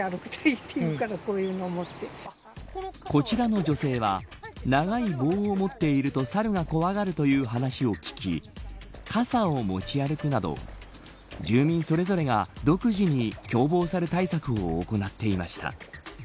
こちらの女性は長い棒を持っているとサルが怖がるという話を聞き傘を持ち歩くなど住民それぞれが独自に凶暴サル対策を行っていました。